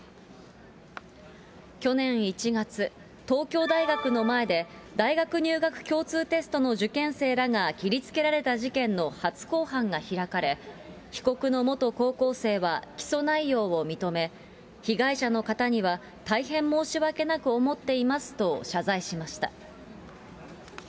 去年１月、東京大学の前で、大学入学共通テストの受験生らが切りつけられた事件の初公判が開かれ、被告の元高校生は、起訴内容を認め、被害者の方には大変申し訳なく思っていますと謝罪しました。